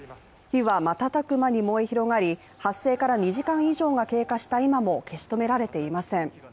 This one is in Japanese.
火は瞬く間に燃え広がり発生から２時間以上が経過した今も、消し止められていません。